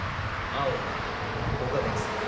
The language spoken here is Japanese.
青が５カ月前。